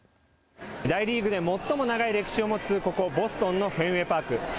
大リーグで最も長い歴史を持つここ、ボストンのフェンウェイ・パーク。